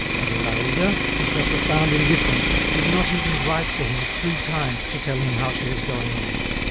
Adélaïde, with her profound indifference, did not even write to him three times to tell him how she was going on.